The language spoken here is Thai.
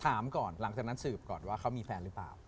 ถามก่อนหลังจากนั้นสืบก่อนว่าเขามีแฟนหรือเปล่า